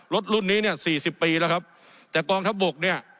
รุ่นนี้เนี่ยสี่สิบปีแล้วครับแต่กองทัพบกเนี่ย